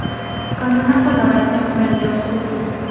Con una coloración verde obscura.